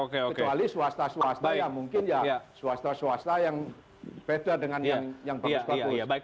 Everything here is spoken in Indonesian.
kecuali swasta swasta yang mungkin ya swasta swasta yang beda dengan yang bagus bagus